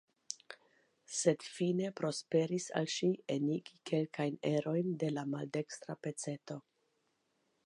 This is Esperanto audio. Sed fine prosperis al ŝi enigi kelkajn erojn de la maldekstra peceto.